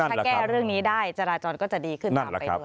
ถ้าแก้เรื่องนี้ได้จราจรก็จะดีขึ้นตามไปด้วย